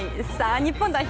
日本代表